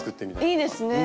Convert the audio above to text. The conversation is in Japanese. いいですね。